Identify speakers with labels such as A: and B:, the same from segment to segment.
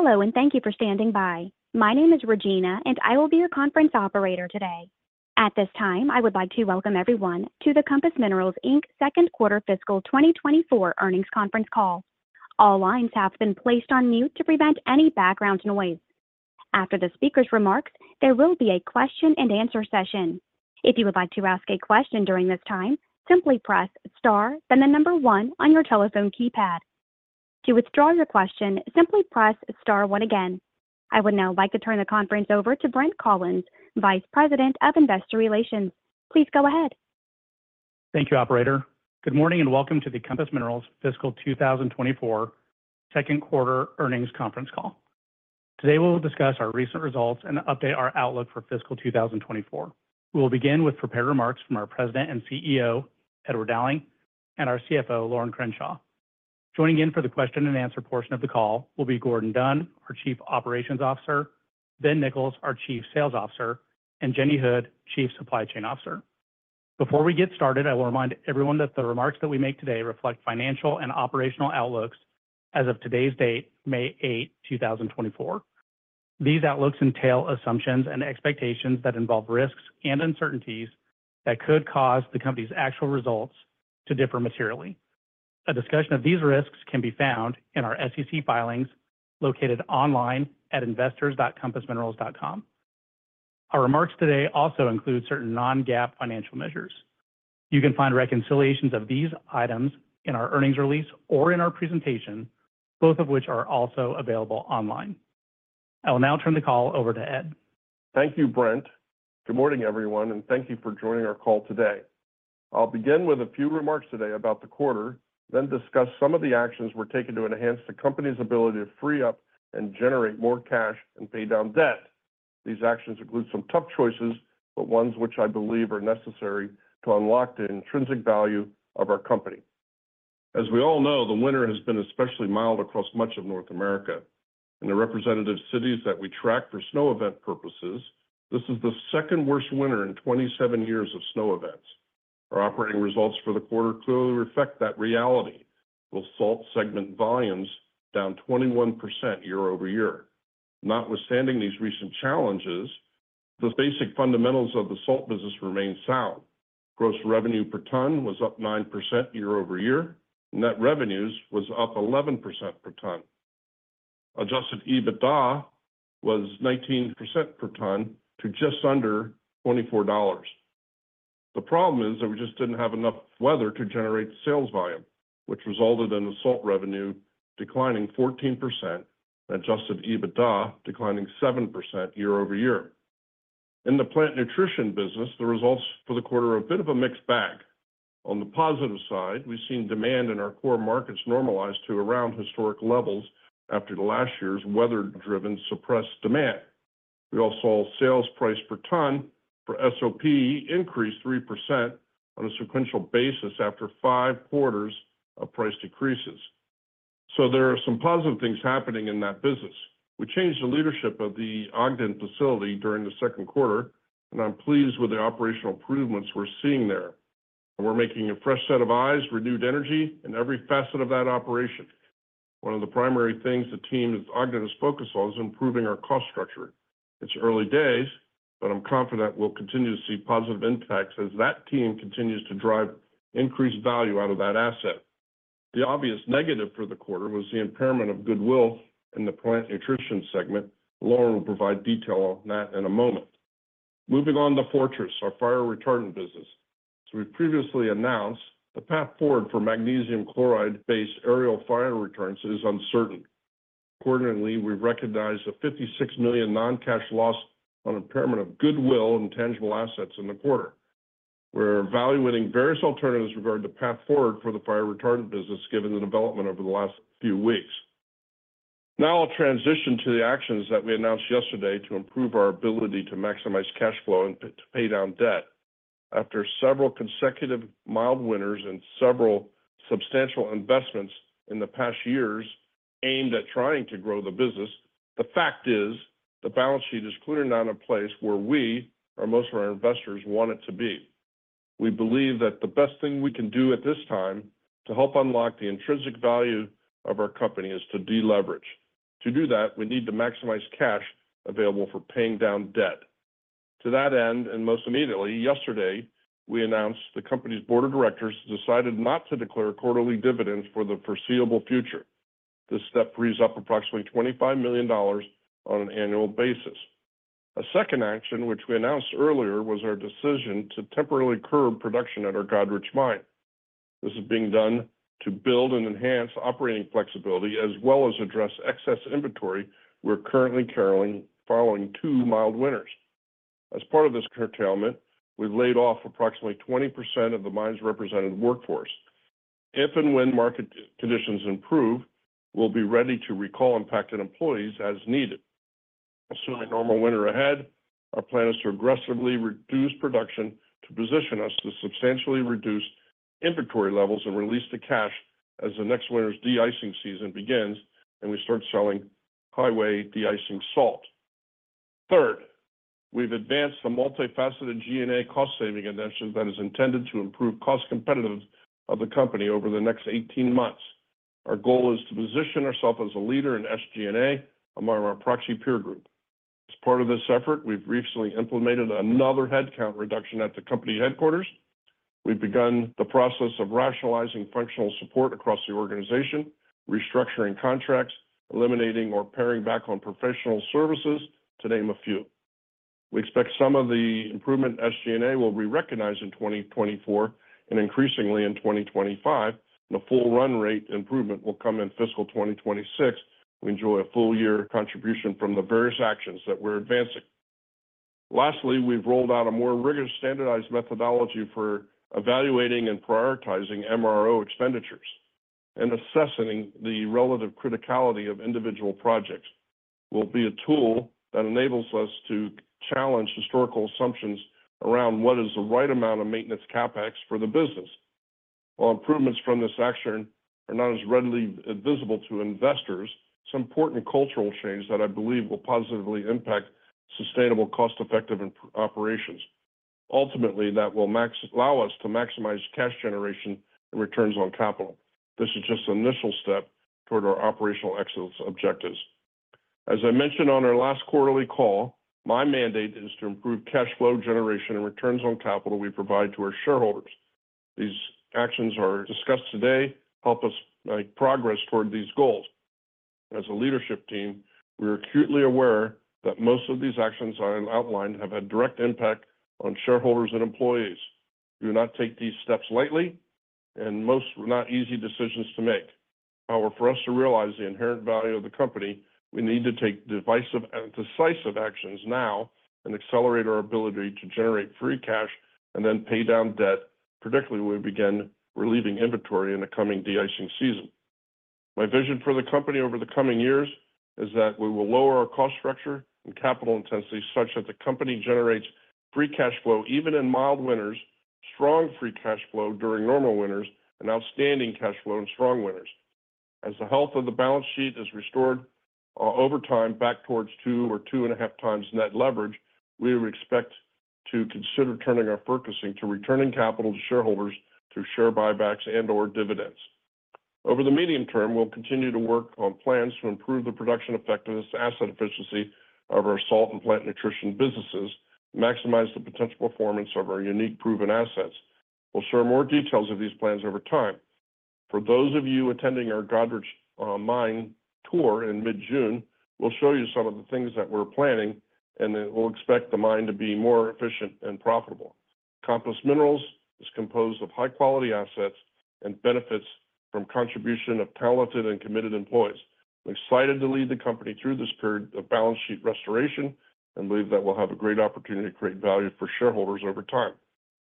A: Hello and thank you for standing by. My name is Regina, and I will be your conference operator today. At this time, I would like to welcome everyone to the Compass Minerals Inc Second Quarter Fiscal 2024 Earnings Conference Call. All lines have been placed on mute to prevent any background noise. After the speaker's remarks, there will be a question and answer session. If you would like to ask a question during this time, simply press star, then the number one on your telephone keypad. To withdraw your question, simply press star one again. I would now like to turn the conference over to Brent Collins, Vice President of Investor Relations. Please go ahead.
B: Thank you, operator. Good morning and welcome to the Compass Minerals Fiscal 2024 Second Quarter Earnings Conference Call. Today we'll discuss our recent results and update our outlook for fiscal 2024. We will begin with prepared remarks from our President and CEO, Edward Dowling, and our CFO, Lorin Crenshaw. Joining in for the question and answer portion of the call will be Gordon Dunn, our Chief Operations Officer, Ben Nichols, our Chief Sales Officer, and Jenny Hood, Chief Supply Chain Officer. Before we get started, I will remind everyone that the remarks that we make today reflect financial and operational outlooks as of today's date, May 8, 2024. These outlooks entail assumptions and expectations that involve risks and uncertainties that could cause the company's actual results to differ materially. A discussion of these risks can be found in our SEC filings located online at investors.compassminerals.com. Our remarks today also include certain non-GAAP financial measures. You can find reconciliations of these items in our earnings release or in our presentation, both of which are also available online. I will now turn the call over to Ed.
C: Thank you, Brent. Good morning, everyone, and thank you for joining our call today. I'll begin with a few remarks today about the quarter, then discuss some of the actions we're taking to enhance the company's ability to free up and generate more cash and pay down debt. These actions include some tough choices, but ones which I believe are necessary to unlock the intrinsic value of our company. As we all know, the winter has been especially mild across much of North America. In the representative cities that we track for snow event purposes, this is the second worst winter in 27 years of snow events. Our operating results for the quarter clearly reflect that reality with salt segment volumes down 21% year-over-year. Notwithstanding these recent challenges, the basic fundamentals of the salt business remain sound. Gross revenue per ton was up 9% year-over-year, and net revenues were up 11% per ton. Adjusted EBITDA was 19% per ton to just under $24. The problem is that we just didn't have enough weather to generate sales volume, which resulted in the Salt revenue declining 14% and Adjusted EBITDA declining 7% year-over-year. In the Plant Nutrition business, the results for the quarter are a bit of a mixed bag. On the positive side, we've seen demand in our core markets normalize to around historic levels after last year's weather-driven suppressed demand. We also saw sales price per ton for SOP increase 3% on a sequential basis after five quarters of price decreases. So there are some positive things happening in that business. We changed the leadership of the Ogden facility during the second quarter, and I'm pleased with the operational improvements we're seeing there. We're making a fresh set of eyes, renewed energy, in every facet of that operation. One of the primary things the team at Ogden is focused on is improving our cost structure. It's early days, but I'm confident we'll continue to see positive impacts as that team continues to drive increased value out of that asset. The obvious negative for the quarter was the impairment of goodwill in the plant nutrition segment. Lorin will provide detail on that in a moment. Moving on to Fortress, our fire retardant business. As we previously announced, the path forward for magnesium chloride-based aerial fire retardants is uncertain. Accordingly, we've recognized a $56 million non-cash loss on impairment of goodwill and tangible assets in the quarter. We're evaluating various alternatives regarding the path forward for the fire retardant business given the development over the last few weeks. Now I'll transition to the actions that we announced yesterday to improve our ability to maximize cash flow and to pay down debt. After several consecutive mild winters and several substantial investments in the past years aimed at trying to grow the business, the fact is the balance sheet is clearly not in place where we or most of our investors want it to be. We believe that the best thing we can do at this time to help unlock the intrinsic value of our company is to deleverage. To do that, we need to maximize cash available for paying down debt. To that end, and most immediately yesterday, we announced the company's board of directors decided not to declare quarterly dividends for the foreseeable future. This step frees up approximately $25 million on an annual basis. A second action, which we announced earlier, was our decision to temporarily curb production at our Goderich Mine. This is being done to build and enhance operating flexibility as well as address excess inventory we're currently carrying following two mild winters. As part of this curtailment, we've laid off approximately 20% of the mine's representative workforce. If and when market conditions improve, we'll be ready to recall impacted employees as needed. Assuming a normal winter ahead, our plan is to aggressively reduce production to position us to substantially reduce inventory levels and release the cash as the next winter's de-icing season begins and we start selling highway de-icing salt. Third, we've advanced a multifaceted SG&A cost-saving initiative that is intended to improve cost competitiveness of the company over the next 18 months. Our goal is to position ourselves as a leader in SG&A among our proxy peer group. As part of this effort, we've recently implemented another headcount reduction at the company headquarters. We've begun the process of rationalizing functional support across the organization, restructuring contracts, eliminating or paring back on professional services, to name a few. We expect some of the improvement SG&A will re-recognize in 2024 and increasingly in 2025, and a full run rate improvement will come in fiscal 2026. We enjoy a full year contribution from the various actions that we're advancing. Lastly, we've rolled out a more rigorous standardized methodology for evaluating and prioritizing MRO expenditures and assessing the relative criticality of individual projects. It will be a tool that enables us to challenge historical assumptions around what is the right amount of maintenance CapEx for the business. While improvements from this action are not as readily visible to investors, some important cultural change that I believe will positively impact sustainable, cost-effective operations. Ultimately, that will allow us to maximize cash generation and returns on capital. This is just an initial step toward our operational excellence objectives. As I mentioned on our last quarterly call, my mandate is to improve cash flow generation and returns on capital we provide to our shareholders. These actions are discussed today to help us make progress toward these goals. As a leadership team, we're acutely aware that most of these actions I've outlined have had direct impact on shareholders and employees. Do not take these steps lightly, and most are not easy decisions to make. However, for us to realize the inherent value of the company, we need to take decisive actions now and accelerate our ability to generate free cash and then pay down debt, particularly when we begin relieving inventory in the coming de-icing season. My vision for the company over the coming years is that we will lower our cost structure and capital intensity such that the company generates free cash flow even in mild winters, strong free cash flow during normal winters, and outstanding cash flow in strong winters. As the health of the balance sheet is restored over time back towards 2 or 2.5x net leverage, we would expect to consider turning our focus to returning capital to shareholders through share buybacks and/or dividends. Over the medium term, we'll continue to work on plans to improve the production effectiveness, asset efficiency of our Salt and Plant Nutrition businesses, maximize the potential performance of our unique proven assets. We'll share more details of these plans over time. For those of you attending our Goderich Mine tour in mid-June, we'll show you some of the things that we're planning, and then we'll expect the mine to be more efficient and profitable. Compass Minerals is composed of high-quality assets and benefits from the contribution of talented and committed employees. I'm excited to lead the company through this period of balance sheet restoration and believe that we'll have a great opportunity to create value for shareholders over time.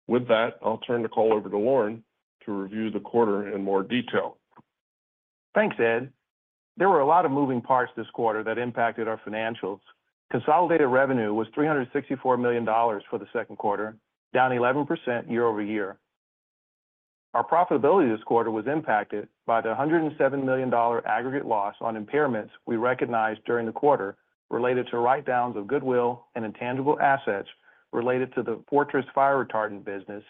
C: With that, I'll turn the call over to Lorin to review the quarter in more detail.
D: Thanks, Ed. There were a lot of moving parts this quarter that impacted our financials. Consolidated revenue was $364 million for the second quarter, down 11% year-over-year. Our profitability this quarter was impacted by the $107 million aggregate loss on impairments we recognized during the quarter related to write-downs of goodwill and intangible assets related to the Fortress fire retardant business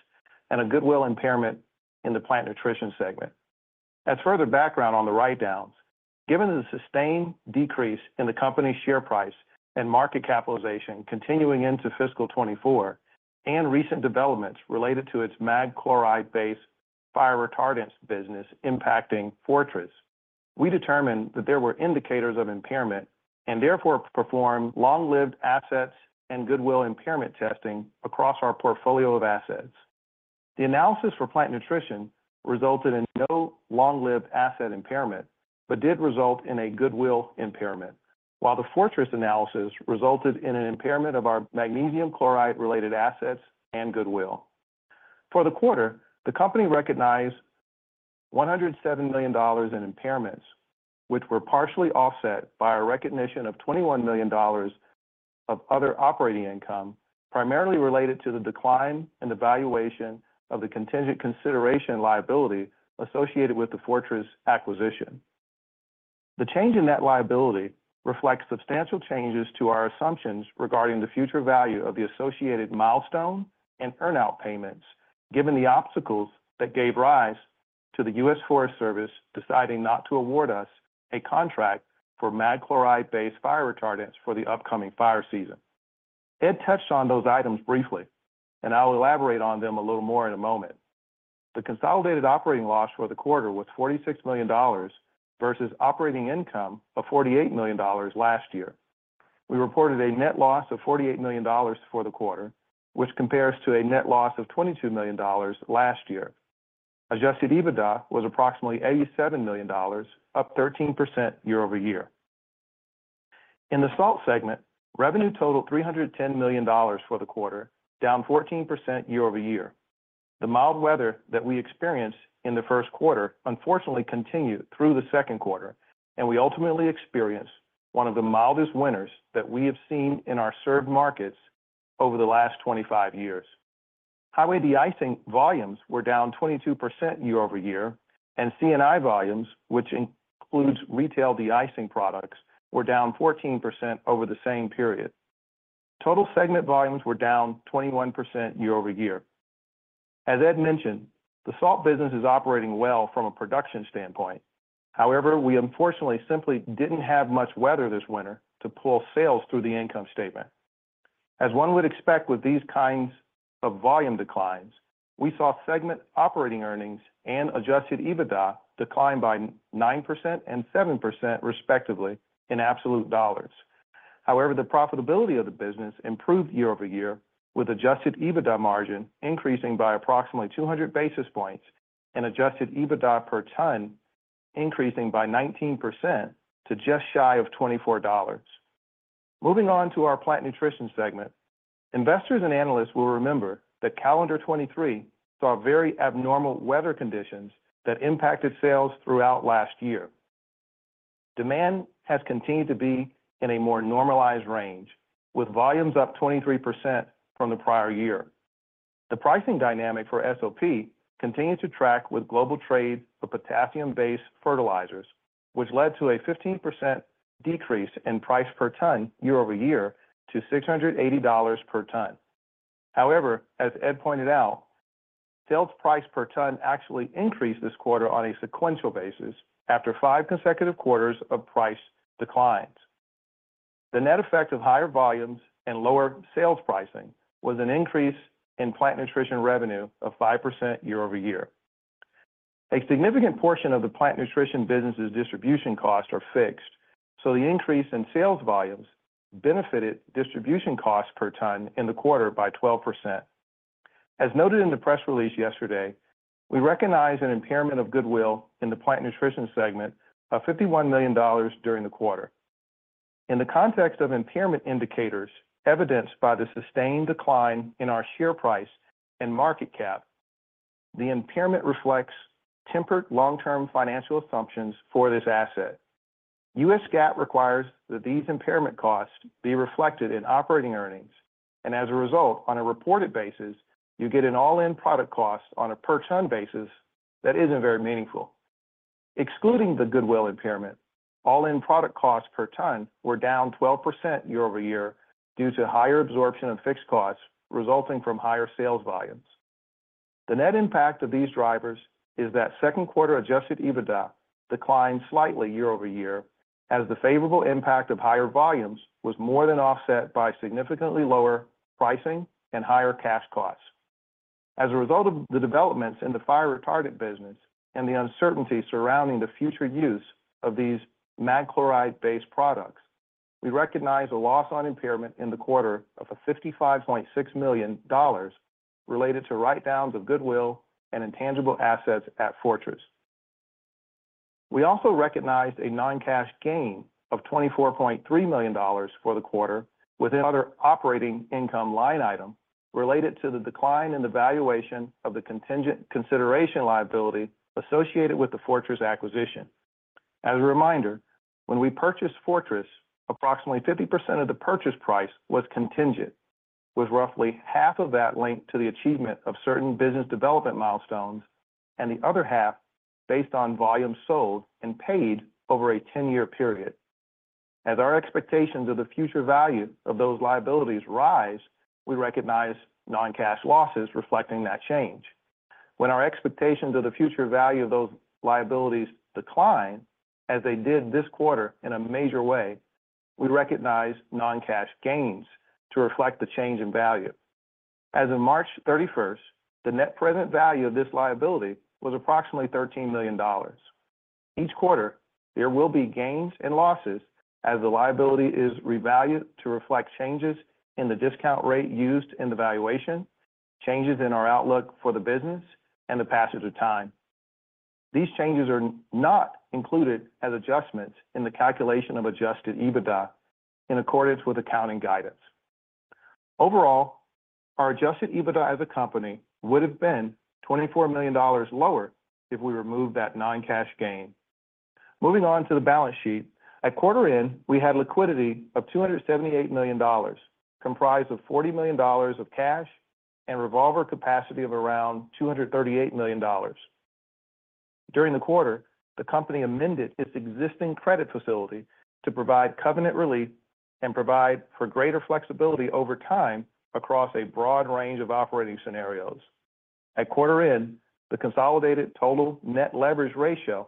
D: and a goodwill impairment in the plant nutrition segment. As further background on the write-downs, given the sustained decrease in the company's share price and market capitalization continuing into fiscal 2024 and recent developments related to its mag chloride-based fire retardants business impacting Fortress, we determined that there were indicators of impairment and therefore performed long-lived assets and goodwill impairment testing across our portfolio of assets. The analysis for plant nutrition resulted in no long-lived asset impairment but did result in a goodwill impairment, while the Fortress analysis resulted in an impairment of our magnesium chloride-related assets and goodwill. For the quarter, the company recognized $107 million in impairments, which were partially offset by our recognition of $21 million of other operating income primarily related to the decline in the valuation of the contingent consideration liability associated with the Fortress acquisition. The change in that liability reflects substantial changes to our assumptions regarding the future value of the associated milestone and earnout payments given the obstacles that gave rise to the U.S. Forest Service deciding not to award us a contract for mag chloride-based fire retardants for the upcoming fire season. Ed touched on those items briefly, and I'll elaborate on them a little more in a moment. The consolidated operating loss for the quarter was $46 million versus operating income of $48 million last year. We reported a net loss of $48 million for the quarter, which compares to a net loss of $22 million last year. Adjusted EBITDA was approximately $87 million, up 13% year-over-year. In the salt segment, revenue totaled $310 million for the quarter, down 14% year-over-year. The mild weather that we experienced in the first quarter unfortunately continued through the second quarter, and we ultimately experienced one of the mildest winters that we have seen in our served markets over the last 25 years. Highway de-icing volumes were down 22% year-over-year, and C&I volumes, which includes retail de-icing products, were down 14% over the same period. Total segment volumes were down 21% year-over-year. As Ed mentioned, the salt business is operating well from a production standpoint. However, we unfortunately simply didn't have much weather this winter to pull sales through the income statement. As one would expect with these kinds of volume declines, we saw segment operating earnings and Adjusted EBITDA decline by 9% and 7% respectively in absolute dollars. However, the profitability of the business improved year-over-year with Adjusted EBITDA margin increasing by approximately 200 basis points and Adjusted EBITDA per ton increasing by 19% to just shy of $24. Moving on to our plant nutrition segment, investors and analysts will remember that calendar 2023 saw very abnormal weather conditions that impacted sales throughout last year. Demand has continued to be in a more normalized range, with volumes up 23% from the prior year. The pricing dynamic for SOP continues to track with global trade for potassium-based fertilizers, which led to a 15% decrease in price per ton year-over-year to $680 per ton. However, as Ed pointed out, sales price per ton actually increased this quarter on a sequential basis after five consecutive quarters of price declines. The net effect of higher volumes and lower sales pricing was an increase in Plant Nutrition revenue of 5% year-over-year. A significant portion of the Plant Nutrition business's distribution costs are fixed, so the increase in sales volumes benefited distribution costs per ton in the quarter by 12%. As noted in the press release yesterday, we recognize an impairment of goodwill in the Plant Nutrition segment of $51 million during the quarter. In the context of impairment indicators evidenced by the sustained decline in our share price and market cap, the impairment reflects tempered long-term financial assumptions for this asset. U.S. GAAP requires that these impairment costs be reflected in operating earnings, and as a result, on a reported basis, you get an all-in product cost on a per-ton basis that isn't very meaningful. Excluding the goodwill impairment, all-in product costs per ton were down 12% year-over-year due to higher absorption of fixed costs resulting from higher sales volumes. The net impact of these drivers is that second-quarter adjusted EBITDA declined slightly year-over-year as the favorable impact of higher volumes was more than offset by significantly lower pricing and higher cash costs. As a result of the developments in the fire retardant business and the uncertainty surrounding the future use of these mag chloride-based products, we recognize a loss on impairment in the quarter of $55.6 million related to write-downs of goodwill and intangible assets at Fortress. We also recognized a non-cash gain of $24.3 million for the quarter within other operating income line items related to the decline in the valuation of the contingent consideration liability associated with the Fortress acquisition. As a reminder, when we purchased Fortress, approximately 50% of the purchase price was contingent, with roughly half of that linked to the achievement of certain business development milestones and the other half based on volumes sold and paid over a 10-year period. As our expectations of the future value of those liabilities rise, we recognize non-cash losses reflecting that change. When our expectations of the future value of those liabilities decline as they did this quarter in a major way, we recognize non-cash gains to reflect the change in value. As of March 31st, the net present value of this liability was approximately $13 million. Each quarter, there will be gains and losses as the liability is revalued to reflect changes in the discount rate used in the valuation, changes in our outlook for the business, and the passage of time. These changes are not included as adjustments in the calculation of adjusted EBITDA in accordance with accounting guidance. Overall, our adjusted EBITDA as a company would have been $24 million lower if we removed that non-cash gain. Moving on to the balance sheet, at quarter end, we had liquidity of $278 million, comprised of $40 million of cash and revolver capacity of around $238 million. During the quarter, the company amended its existing credit facility to provide covenant relief and provide for greater flexibility over time across a broad range of operating scenarios. At quarter end, the consolidated total net leverage ratio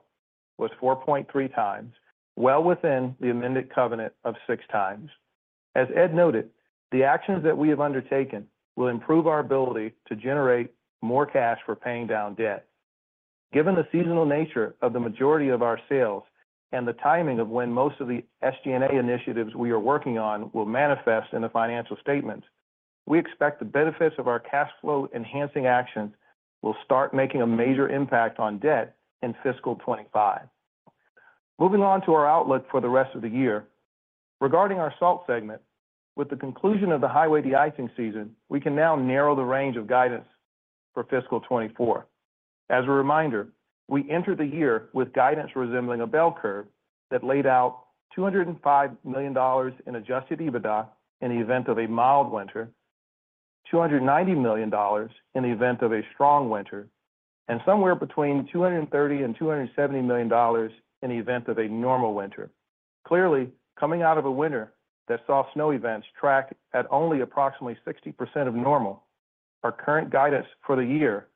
D: was 4.3x, well within the amended covenant of six times. As Ed noted, the actions that we have undertaken will improve our ability to generate more cash for paying down debt. Given the seasonal nature of the majority of our sales and the timing of when most of the SG&A initiatives we are working on will manifest in the financial statements, we expect the benefits of our cash flow-enhancing actions will start making a major impact on debt in fiscal 2025. Moving on to our outlook for the rest of the year, regarding our salt segment, with the conclusion of the highway de-icing season, we can now narrow the range of guidance for fiscal 2024. As a reminder, we entered the year with guidance resembling a bell curve that laid out $205 million in adjusted EBITDA in the event of a mild winter, $290 million in the event of a strong winter, and somewhere between $230 and $270 million in the event of a normal winter. Clearly, coming out of a winter that saw snow events track at only approximately 60% of normal, our current guidance for the year,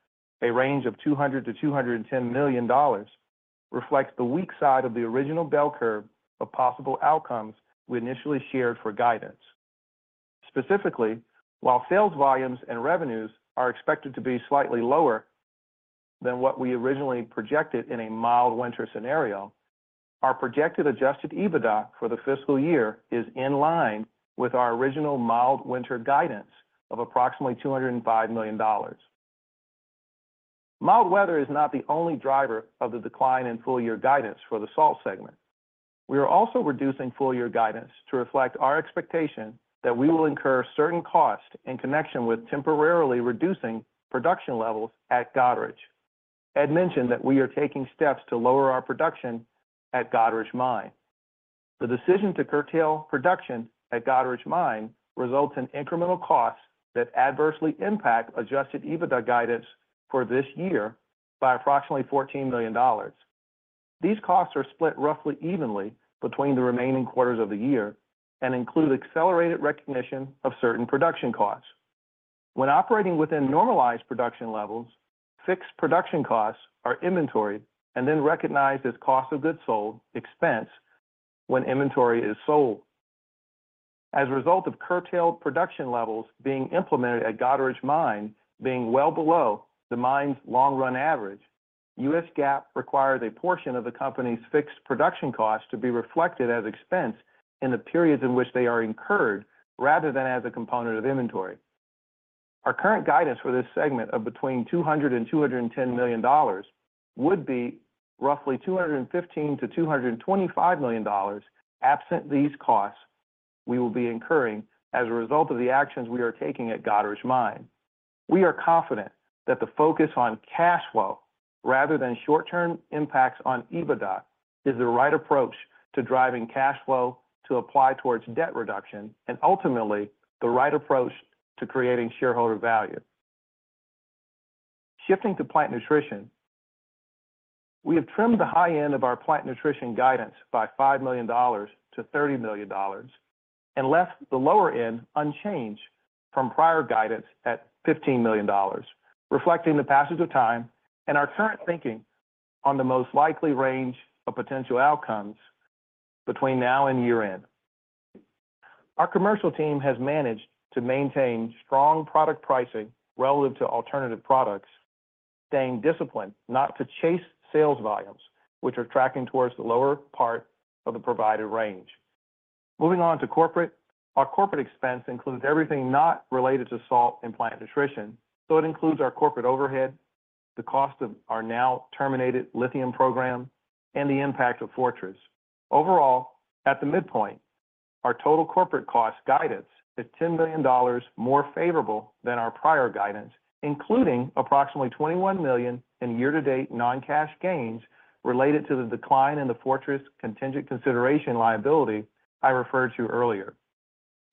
D: a range of $200 million-$210 million, reflects the weak side of the original bell curve of possible outcomes we initially shared for guidance. Specifically, while sales volumes and revenues are expected to be slightly lower than what we originally projected in a mild winter scenario, our projected Adjusted EBITDA for the fiscal year is in line with our original mild winter guidance of approximately $205 million. Mild weather is not the only driver of the decline in full-year guidance for the salt segment. We are also reducing full-year guidance to reflect our expectation that we will incur certain costs in connection with temporarily reducing production levels at Goderich. Ed mentioned that we are taking steps to lower our production at Goderich Mine. The decision to curtail production at Goderich Mine results in incremental costs that adversely impact Adjusted EBITDA guidance for this year by approximately $14 million. These costs are split roughly evenly between the remaining quarters of the year and include accelerated recognition of certain production costs. When operating within normalized production levels, fixed production costs are inventoried and then recognized as cost of goods sold expense when inventory is sold. As a result of curtailed production levels being implemented at Goderich Mine well below the mine's long-run average, U.S. GAAP required a portion of the company's fixed production costs to be reflected as expense in the periods in which they are incurred rather than as a component of inventory. Our current guidance for this segment of between $200 and $210 million would be roughly $215 million-$225 million absent these costs we will be incurring as a result of the actions we are taking at Goderich Mine. We are confident that the focus on cash flow rather than short-term impacts on EBITDA is the right approach to driving cash flow to apply towards debt reduction and ultimately the right approach to creating shareholder value. Shifting to Plant Nutrition, we have trimmed the high end of our Plant Nutrition guidance by $5 million-$30 million and left the lower end unchanged from prior guidance at $15 million, reflecting the passage of time and our current thinking on the most likely range of potential outcomes between now and year end. Our commercial team has managed to maintain strong product pricing relative to alternative products, staying disciplined not to chase sales volumes, which are tracking towards the lower part of the provided range. Moving on to corporate, our corporate expense includes everything not related to salt and Plant Nutrition, so it includes our corporate overhead, the cost of our now terminated lithium program, and the impact of Fortress. Overall, at the midpoint, our total corporate cost guidance is $10 million more favorable than our prior guidance, including approximately $21 million in year-to-date non-cash gains related to the decline in the Fortress contingent consideration liability I referred to earlier.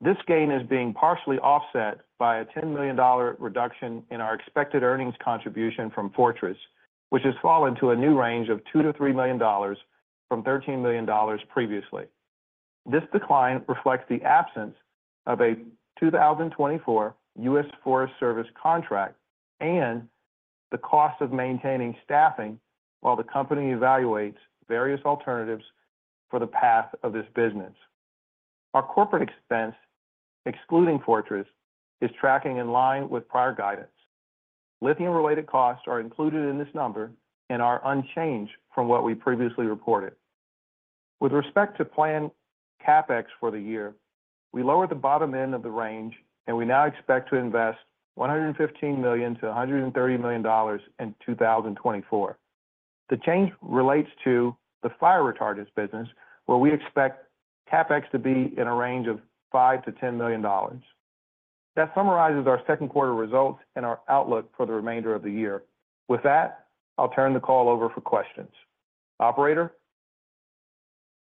D: This gain is being partially offset by a $10 million reduction in our expected earnings contribution from Fortress, which has fallen to a new range of $2 million-$3 million from $13 million previously. This decline reflects the absence of a 2024 U.S. Forest Service contract and the cost of maintaining staffing while the company evaluates various alternatives for the path of this business. Our corporate expense, excluding Fortress, is tracking in line with prior guidance. Lithium-related costs are included in this number and are unchanged from what we previously reported. With respect to planned CapEx for the year, we lowered the bottom end of the range, and we now expect to invest $115 million-$130 million in 2024. The change relates to the fire retardants business, where we expect CapEx to be in a range of $5 million-$10 million. That summarizes our second-quarter results and our outlook for the remainder of the year. With that, I'll turn the call over for questions. Operator?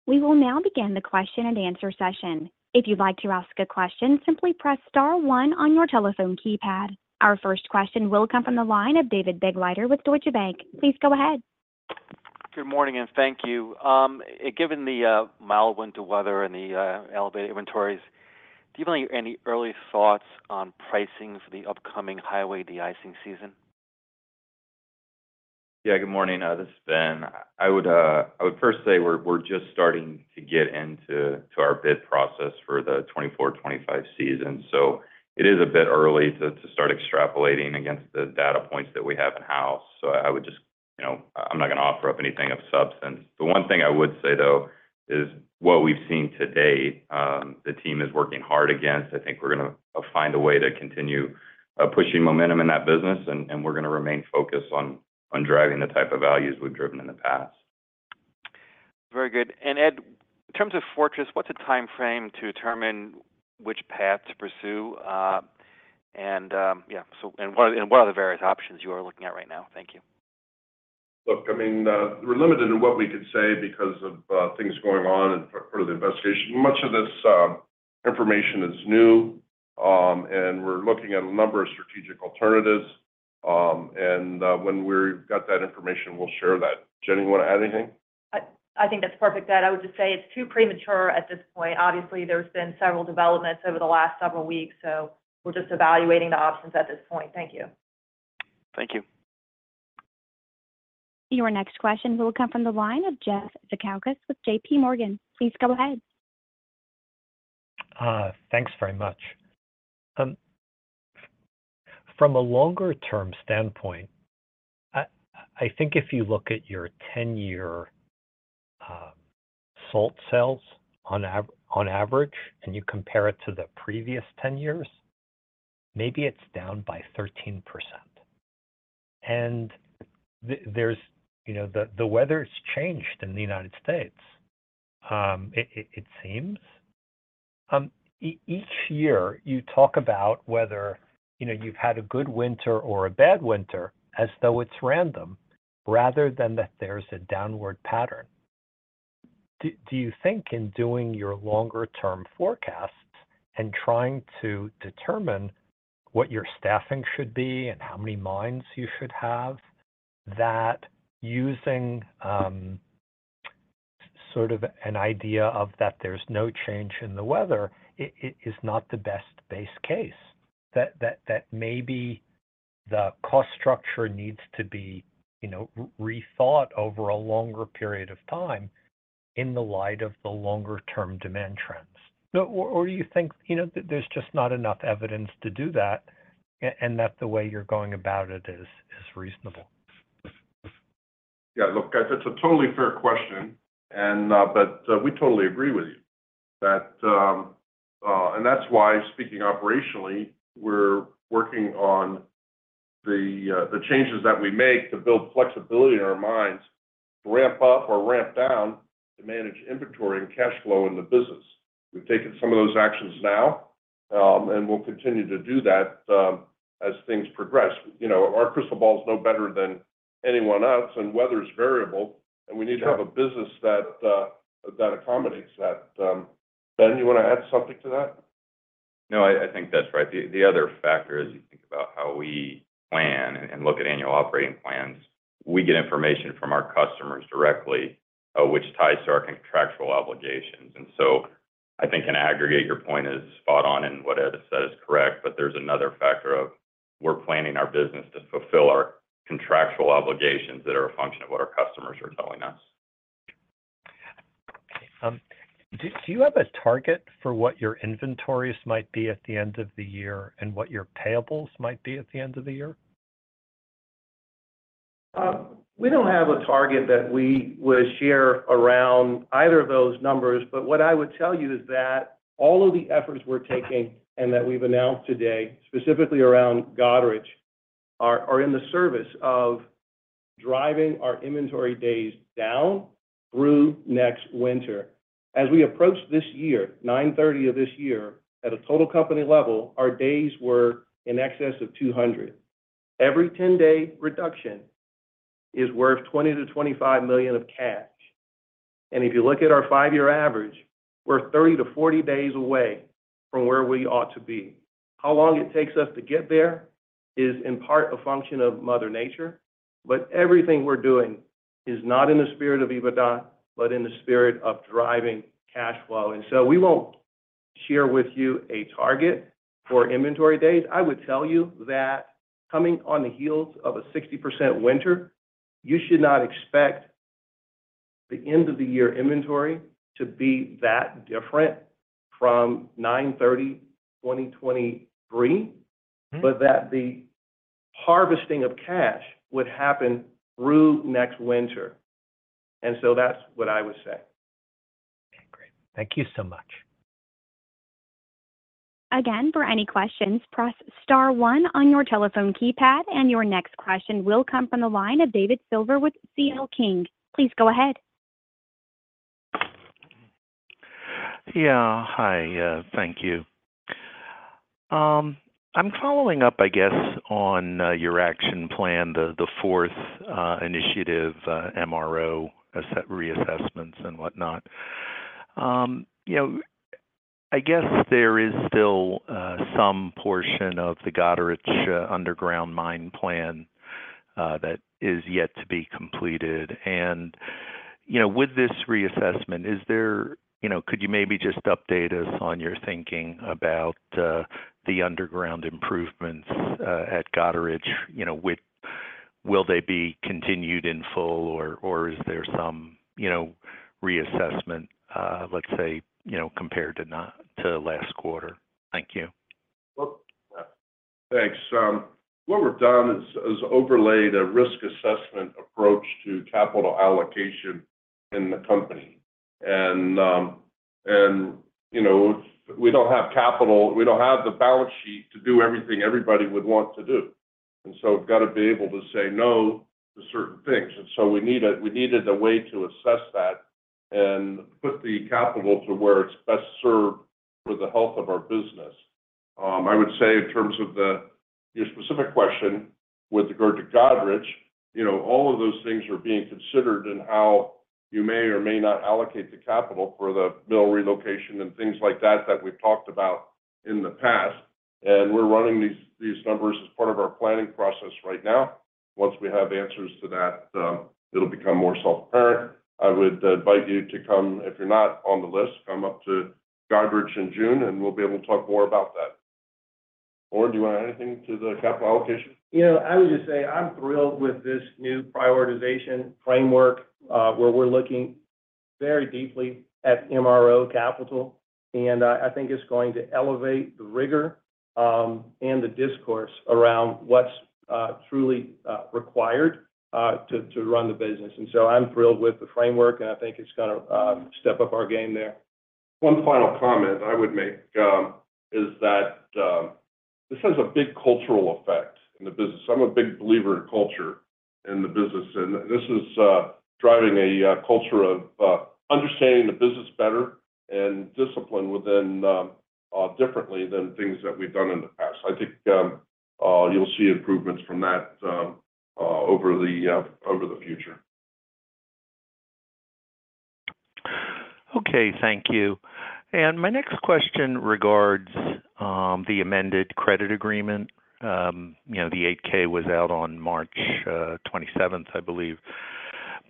A: We will now begin the question-and-answer session. If you'd like to ask a question, simply press star one on your telephone keypad. Our first question will come from the line of David Begleiter with Deutsche Bank. Please go ahead.
E: Good morning, and thank you. Given the mild winter weather and the elevated inventories, do you have any early thoughts on pricing for the upcoming highway de-icing season?
F: Yeah, good morning. This is Ben. I would first say we're just starting to get into our bid process for the 2024-2025 season, so it is a bit early to start extrapolating against the data points that we have in-house. So I would just. I'm not going to offer up anything of substance. The one thing I would say, though, is what we've seen today, the team is working hard against. I think we're going to find a way to continue pushing momentum in that business, and we're going to remain focused on driving the type of values we've driven in the past.
E: Very good. And Ed, in terms of Fortress, what's a time frame to determine which path to pursue? And yeah, what are the various options you are looking at right now? Thank you.
C: Look, I mean, we're limited in what we could say because of things going on and part of the investigation. Much of this information is new, and we're looking at a number of strategic alternatives. When we've got that information, we'll share that. Jenny, you want to add anything?
G: I think that's perfect, Ed. I would just say it's too premature at this point. Obviously, there's been several developments over the last several weeks, so we're just evaluating the options at this point. Thank you.
E: Thank you.
A: Your next question will come from the line of Jeffrey Zekauskas with JPMorgan. Please go ahead.
H: Thanks very much. From a longer-term standpoint, I think if you look at your 10-year salt sales on average and you compare it to the previous 10 years, maybe it's down by 13%. And the weather has changed in the United States, it seems. Each year, you talk about whether you've had a good winter or a bad winter as though it's random rather than that there's a downward pattern. Do you think in doing your longer-term forecasts and trying to determine what your staffing should be and how many mines you should have, that using sort of an idea of that there's no change in the weather is not the best base case? That maybe the cost structure needs to be rethought over a longer period of time in the light of the longer-term demand trends? Or do you think there's just not enough evidence to do that and that the way you're going about it is reasonable?
I: Yeah, look, that's a totally fair question, but we totally agree with you. That's why, speaking operationally, we're working on the changes that we make to build flexibility in our mines to ramp up or ramp down to manage inventory and cash flow in the business. We've taken some of those actions now, and we'll continue to do that as things progress. Our crystal ball is no better than anyone else, and weather's variable, and we need to have a business that accommodates that. Ben, you want to add something to that?
F: No, I think that's right. The other factor is you think about how we plan and look at annual operating plans. We get information from our customers directly, which ties to our contractual obligations. And so I think, in aggregate, your point is spot on, and what Ed has said is correct. But there's another factor of we're planning our business to fulfill our contractual obligations that are a function of what our customers are telling us.
H: Do you have a target for what your inventories might be at the end of the year and what your payables might be at the end of the year?
D: We don't have a target that we would share around either of those numbers. But what I would tell you is that all of the efforts we're taking and that we've announced today, specifically around Goderich, are in the service of driving our inventory days down through next winter. As we approach this year, 9/30 of this year, at a total company level, our days were in excess of 200. Every 10-day reduction is worth $20 million-$25 million of cash. And if you look at our five-year average, we're 30-40 days away from where we ought to be. How long it takes us to get there is in part a function of Mother Nature, but everything we're doing is not in the spirit of EBITDA but in the spirit of driving cash flow. And so we won't share with you a target for inventory days. I would tell you that coming on the heels of a 60% winter, you should not expect the end-of-the-year inventory to be that different from September 30, 2023, but that the harvesting of cash would happen through next winter. And so that's what I would say.
H: Okay, great. Thank you so much.
A: Again, for any questions, press star one on your telephone keypad, and your next question will come from the line of David Silver with C.L. King. Please go ahead.
J: Yeah, hi. Thank you. I'm following up, I guess, on your action plan, the fourth initiative, MRO, reassessments and whatnot. I guess there is still some portion of the Goderich underground Mine plan that is yet to be completed. With this reassessment, could you maybe just update us on your thinking about the underground improvements at Goderich? Will they be continued in full, or is there some reassessment, let's say, compared to last quarter? Thank you.
C: Well, thanks. What we've done is overlay the risk assessment approach to capital allocation in the company. And we don't have capital we don't have the balance sheet to do everything everybody would want to do. And so we've got to be able to say no to certain things. And so we needed a way to assess that and put the capital to where it's best served for the health of our business. I would say, in terms of your specific question with regard to Goderich, all of those things are being considered in how you may or may not allocate the capital for the mill relocation and things like that that we've talked about in the past. And we're running these numbers as part of our planning process right now. Once we have answers to that, it'll become more self-apparent. I would invite you to come, if you're not on the list, come up to Goderich in June, and we'll be able to talk more about that. Lorin, do you want to add anything to the capital allocation? I would just say I'm thrilled with this new prioritization framework where we're looking very deeply at MRO capital, and I think it's going to elevate the rigor and the discourse around what's truly required to run the business. And so I'm thrilled with the framework, and I think it's going to step up our game there. One final comment I would make is that this has a big cultural effect in the business. I'm a big believer in culture in the business, and this is driving a culture of understanding the business better and discipline differently than things that we've done in the past. I think you'll see improvements from that over the future.
J: Okay, thank you. My next question regards the amended credit agreement. The 8-K was out on March 27th, I believe.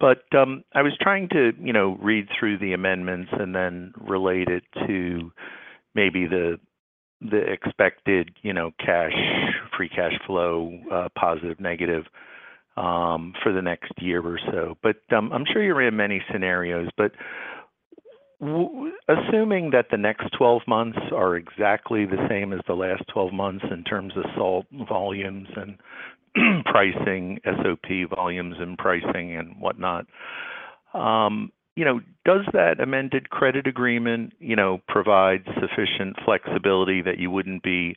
J: I was trying to read through the amendments and then relate it to maybe the expected free cash flow, positive, negative, for the next year or so. I'm sure you're in many scenarios. But assuming that the next 12 months are exactly the same as the last 12 months in terms of salt volumes and pricing, SOP volumes and pricing and whatnot, does that amended credit agreement provide sufficient flexibility that you wouldn't be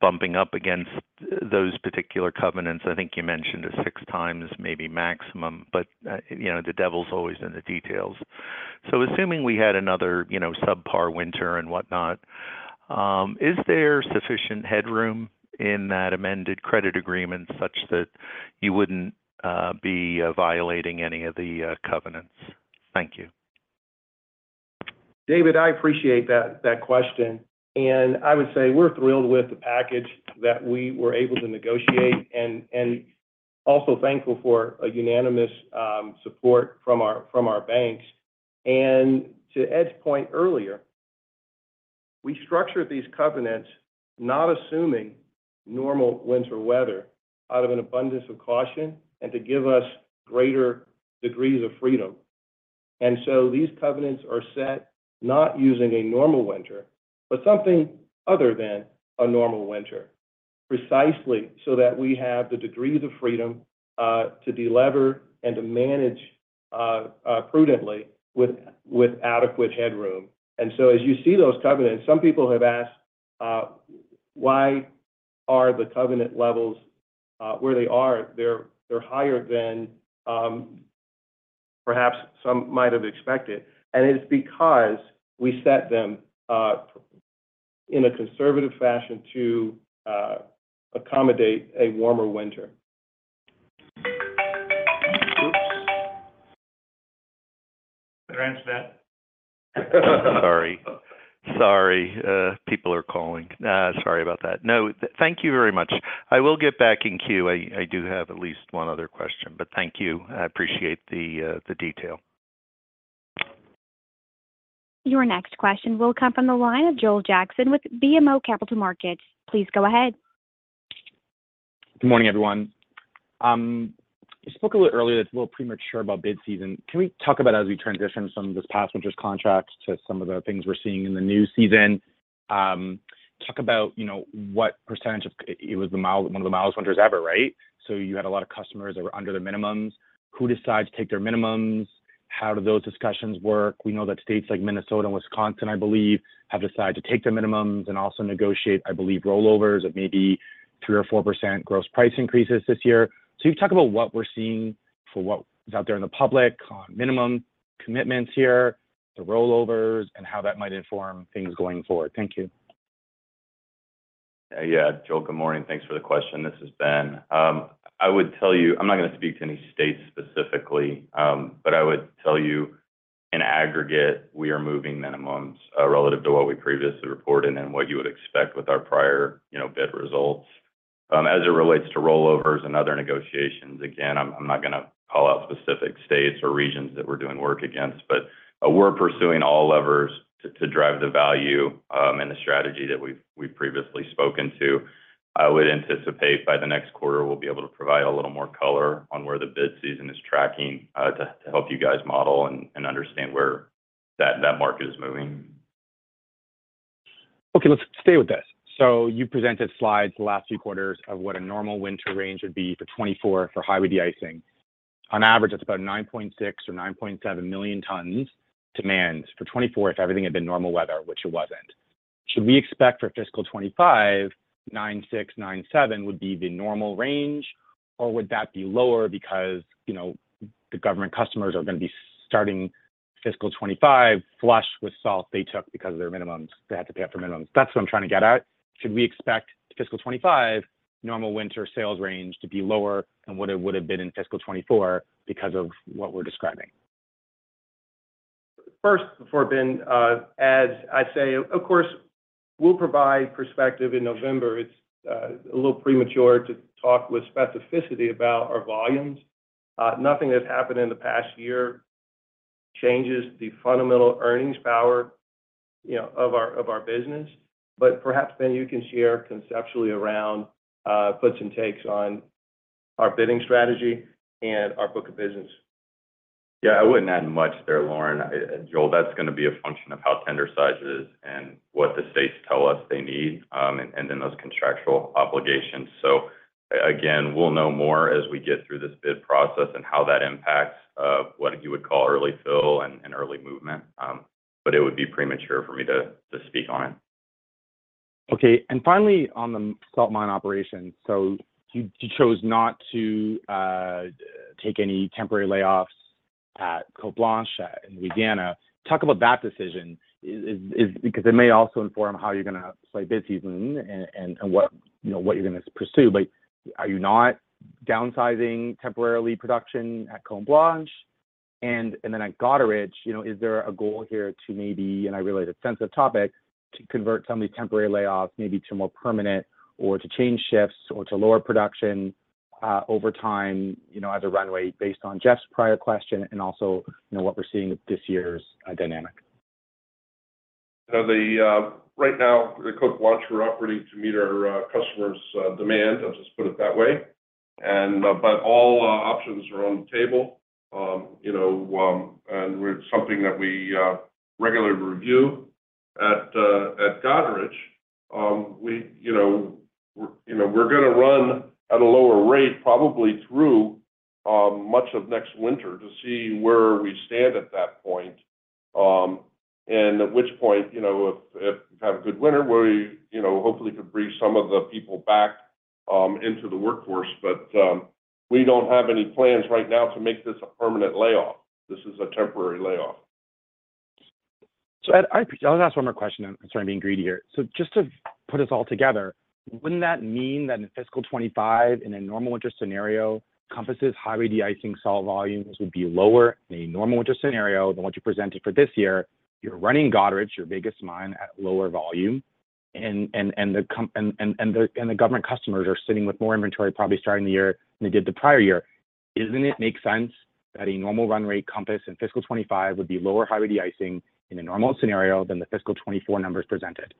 J: bumping up against those particular covenants? I think you mentioned a six times, maybe maximum, but the devil's always in the details. So assuming we had another subpar winter and whatnot, is there sufficient headroom in that amended credit agreement such that you wouldn't be violating any of the covenants? Thank you.
D: David, I appreciate that question. I would say we're thrilled with the package that we were able to negotiate and also thankful for unanimous support from our banks. To Ed's point earlier, we structured these covenants not assuming normal winter weather out of an abundance of caution and to give us greater degrees of freedom. So these covenants are set not using a normal winter but something other than a normal winter, precisely so that we have the degrees of freedom to delever and to manage prudently with adequate headroom. As you see those covenants, some people have asked, "Why are the covenant levels where they are, they're higher than perhaps some might have expected?" It's because we set them in a conservative fashion to accommodate a warmer winter. Oops. Could I answer that?
J: Sorry. Sorry. People are calling. Sorry about that. No, thank you very much. I will get back in queue. I do have at least one other question, but thank you. I appreciate the detail.
A: Your next question will come from the line of Joel Jackson with BMO Capital Markets. Please go ahead.
K: Good morning, everyone. You spoke a little earlier that it's a little premature about bid season. Can we talk about as we transition from this past winter's contract to some of the things we're seeing in the new season? Talk about what percentage of it was one of the mildest winters ever, right? So you had a lot of customers that were under their minimums. Who decides to take their minimums? How do those discussions work? We know that states like Minnesota and Wisconsin, I believe, have decided to take their minimums and also negotiate, I believe, rollovers of maybe 3% or 4% gross price increases this year. So you can talk about what we're seeing for what's out there in the public on minimum commitments here, the rollovers, and how that might inform things going forward. Thank you.
F: Yeah, Joel, good morning. Thanks for the question. This is Ben. I would tell you I'm not going to speak to any states specifically, but I would tell you, in aggregate, we are moving minimums relative to what we previously reported and what you would expect with our prior bid results. As it relates to rollovers and other negotiations, again, I'm not going to call out specific states or regions that we're doing work against, but we're pursuing all levers to drive the value and the strategy that we've previously spoken to. I would anticipate, by the next quarter, we'll be able to provide a little more color on where the bid season is tracking to help you guys model and understand where that market is moving.
K: Okay, let's stay with this. So you presented slides the last few quarters of what a normal winter range would be for 2024 for highway de-icing. On average, that's about 9.6 or 9.7 million tons demand for 2024 if everything had been normal weather, which it wasn't. Should we expect for fiscal 2025, 9.6, 9.7 would be the normal range, or would that be lower because the government customers are going to be starting fiscal 2025 flush with salt they took because of their minimums they had to pay out for minimums? That's what I'm trying to get at. Should we expect fiscal 2025 normal winter sales range to be lower than what it would have been in fiscal 2024 because of what we're describing?
D: First, before Ben, as I say, of course, we'll provide perspective in November. It's a little premature to talk with specificity about our volumes. Nothing that's happened in the past year changes the fundamental earnings power of our business. But perhaps, Ben, you can share conceptually around puts and takes on our bidding strategy and our book of business.
F: Yeah, I wouldn't add much there, Lorin. Joel, that's going to be a function of how tender size it is and what the states tell us they need and then those contractual obligations. So again, we'll know more as we get through this bid process and how that impacts what you would call early fill and early movement. But it would be premature for me to speak on it.
K: Okay. And finally, on the salt mine operations, so you chose not to take any temporary layoffs at Cote Blanche in Louisiana. Talk about that decision because it may also inform how you're going to play bid season and what you're going to pursue. But are you not downsizing temporarily production at Cote Blanche? And then at Goderich, is there a goal here to maybe - and I relate it - sense of topic to convert some of these temporary layoffs maybe to more permanent or to change shifts or to lower production over time as a runway based on Jeff's prior question and also what we're seeing this year's dynamic?
I: Right now, at Cote Blanche, we're operating to meet our customers' demand. I'll just put it that way. But all options are on the table, and it's something that we regularly review. At Goderich, we're going to run at a lower rate probably through much of next winter to see where we stand at that point and at which point, if we have a good winter, where we hopefully could bring some of the people back into the workforce. But we don't have any plans right now to make this a permanent layoff. This is a temporary layoff.
K: So Ed, I'll ask one more question. I'm sorry I'm being greedy here. So just to put us all together, wouldn't that mean that in fiscal 2025, in a normal winter scenario, Compass's highway de-icing salt volumes would be lower in a normal winter scenario than what you presented for this year? You're running Goderich, your biggest mine, at lower volume, and the government customers are sitting with more inventory probably starting the year than they did the prior year. Doesn't it make sense that a normal run rate Compass in fiscal 2025 would be lower highway de-icing in a normal scenario than the fiscal 2024 numbers presented?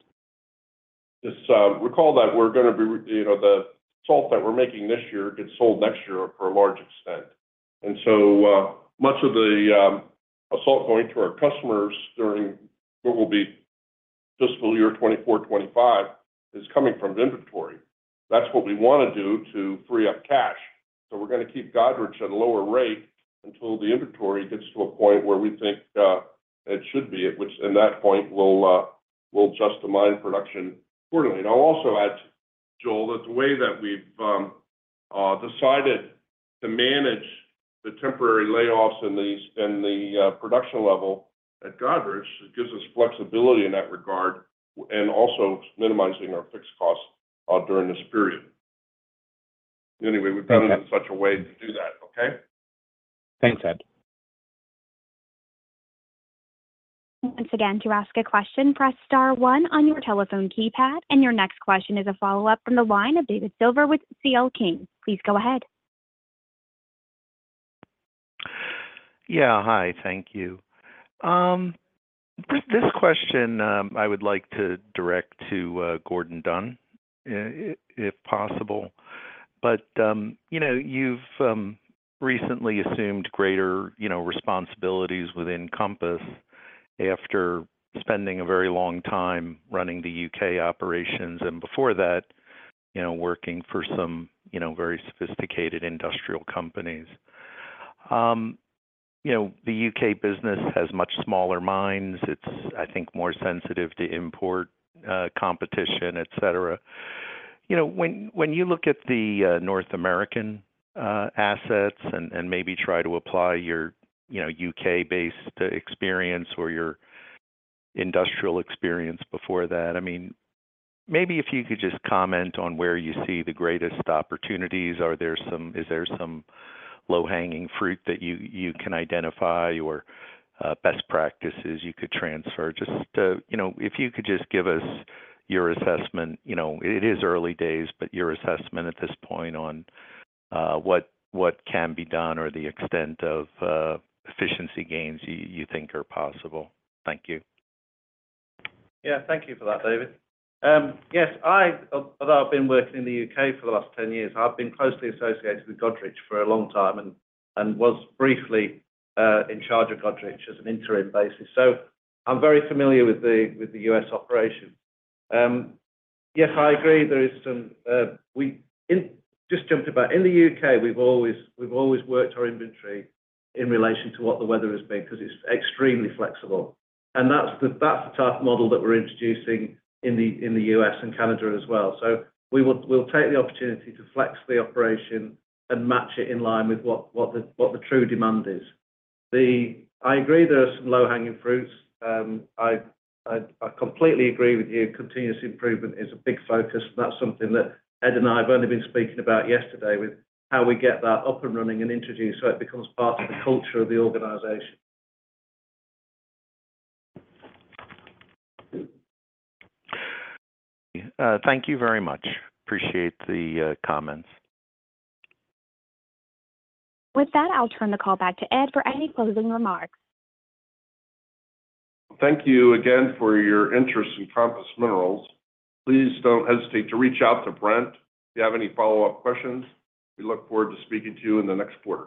C: Just recall that we're going to be the salt that we're making this year gets sold next year for a large extent. And so much of the salt going to our customers during what will be fiscal year 2024, 2025 is coming from inventory. That's what we want to do to free up cash. So we're going to keep Goderich at a lower rate until the inventory gets to a point where we think it should be at, which at that point, we'll adjust the mine production accordingly. And I'll also add, Joel, that the way that we've decided to manage the temporary layoffs and the production level at Goderich gives us flexibility in that regard and also minimizing our fixed costs during this period. Anyway, we've done it in such a way to do that, okay?
K: Thanks, Ed.
A: Once again, to ask a question, press star one on your telephone keypad. Your next question is a follow-up from the line of David Silver with C.L. King. Please go ahead.
J: Yeah, hi. Thank you. This question, I would like to direct to Gordon Dunn, if possible. But you've recently assumed greater responsibilities within Compass after spending a very long time running the U.K. operations and before that, working for some very sophisticated industrial companies. The U.K. business has much smaller mines. It's, I think, more sensitive to import competition, etc. When you look at the North American assets and maybe try to apply your U.K.-based experience or your industrial experience before that, I mean, maybe if you could just comment on where you see the greatest opportunities, is there some low-hanging fruit that you can identify or best practices you could transfer? Just if you could just give us your assessment. It is early days, but your assessment at this point on what can be done or the extent of efficiency gains you think are possible. Thank you.
L: Yeah, thank you for that, David. Yes, although I've been working in the U.K. for the last 10 years, I've been closely associated with Goderich for a long time and was briefly in charge of Goderich as an interim basis. So I'm very familiar with the U.S. operations. Yes, I agree. There is some just jumping back. In the U.K., we've always worked our inventory in relation to what the weather has been because it's extremely flexible. And that's the type of model that we're introducing in the U.S. and Canada as well. So we'll take the opportunity to flex the operation and match it in line with what the true demand is. I agree there are some low-hanging fruits. I completely agree with you. Continuous improvement is a big focus. That's something that Ed and I have only been speaking about yesterday with how we get that up and running and introduce so it becomes part of the culture of the organization.
K: Thank you very much. Appreciate the comments.
A: With that, I'll turn the call back to Ed for any closing remarks.
C: Thank you again for your interest in Compass Minerals. Please don't hesitate to reach out to Brent if you have any follow-up questions. We look forward to speaking to you in the next quarter.